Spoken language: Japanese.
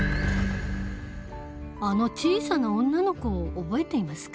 あの小さな女の子を覚えていますか？